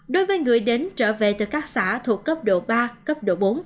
đối với người đến trở về từ các xã thuộc cấp độ ba cấp độ bốn